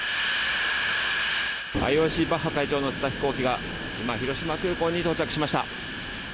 ＩＯＣバッハ会長を乗せた飛行機が今、広島空港に到着しました。